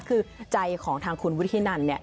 คือใจของทางคุณวุฒินันเนี่ย